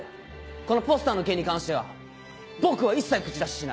このポスターの件に関しては僕は一切口出ししない。